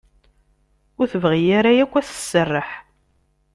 Ur tebɣi ara akk ad as-tesserreḥ.